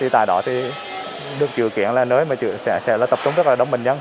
tại đó thì được dự kiện là nơi sẽ tập trung rất là đông bệnh nhân